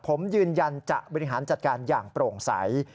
ผมยืนยันจะบริหารจัดการอย่างโปร่งใส